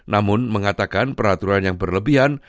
namun mengatakan peraturan yang berlebihan